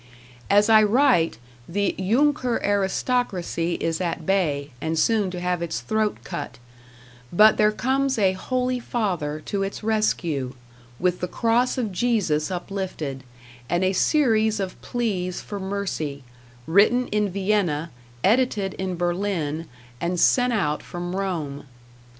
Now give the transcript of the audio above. As I write, the Junker aristocracy is at bay, and soon to have its throat cut; but there comes a Holy Father to its rescue, with the cross of Jesus uplifted, and a series of pleas for mercy, written in Vienna, edited in Berlin, and sent out from Rome.